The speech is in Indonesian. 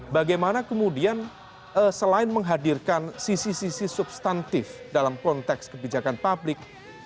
bagaimana kemudian selain menghadirkan sisi sisi substantif dalam konteks kebijakan publik